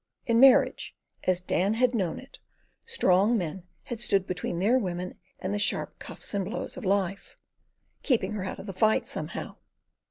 (In marriage as Dan had known it, strong men had stood between their women and the sharp cuffs and blows of life; "keeping her out of the fight somehow.")